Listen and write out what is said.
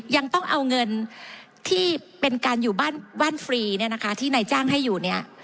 ยังต้องเอาเงินที่เป็นการอยู่บ้านฟรีเนี่ยนะคะที่นายจ้างให้อยู่เนี่ย